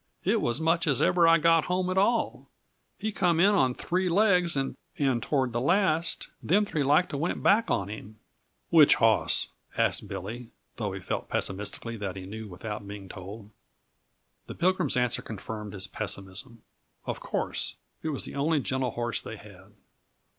It was much as ever I got home at all. He come in on three legs, and toward the last them three like to went back on him." "Which hoss?" asked Billy, though he felt pessimistically that he knew without being told. The Pilgrim's answer confirmed his pessimism. Of course, it was the only gentle horse they had.